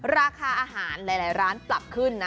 ราคาอาหารหลายร้านปรับขึ้นนะ